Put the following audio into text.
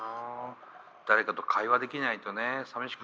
誰かと会話できないとね寂しくなるしね。